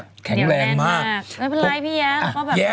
ไม่เป็นไรพี่ครับ